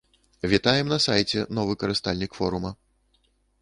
Вітаем на сайце, новы карыстальнік форума!